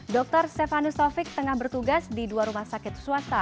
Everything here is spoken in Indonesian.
dr stefanus taufik tengah bertugas di dua rumah sakit swasta